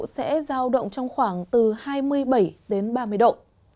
sẽ giao động trong khoảng từ hai mươi bảy đến ba mươi độ